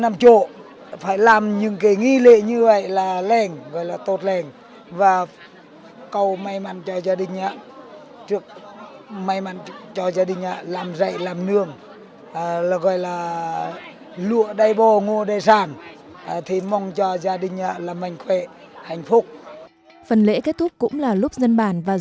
phần lễ kết thúc cũng là lúc dân bản và du khách cùng vào dùng rùi để ăn